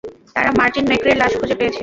তারা মার্টিন মেক্রের লাশ খুঁজে পেয়েছে।